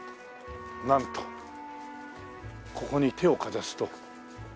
なんとここに手をかざすと。